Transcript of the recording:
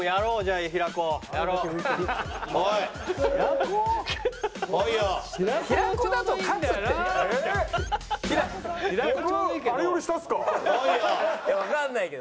いやわかんないけど。